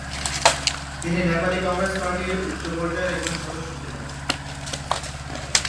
তিনি নেপালী কংগ্রেস পার্টির উচ্চ পর্যায়ের একজন সদস্য ছিলেন।